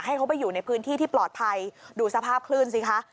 ให้เขาไปอยู่ในพื้นที่ที่ปลอดภัยดูสภาพคลื่นสิคะ